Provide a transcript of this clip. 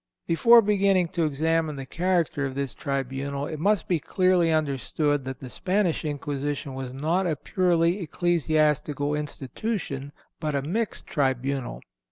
Before beginning to examine the character of this tribunal it must be clearly understood that the Spanish Inquisition was not a purely ecclesiastical institution, but a mixed tribunal.